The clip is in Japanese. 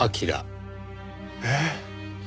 えっ？